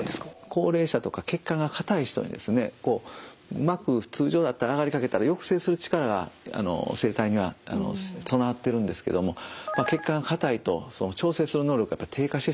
高齢者とか血管が硬い人にですねうまく通常だったら上がりかけたら抑制する力が生体には備わってるんですけども血管が硬いとその調整する能力が低下してしまってるんですね。